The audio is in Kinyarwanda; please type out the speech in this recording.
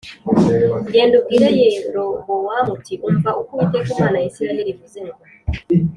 Genda ubwire Yerobowamu uti ‘Umva uko Uwiteka Imana ya Isirayeli ivuze ngo